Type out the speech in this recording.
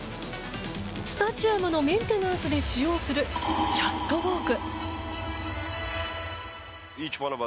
スタジアムのメンテナンスで使用するキャットウォーク。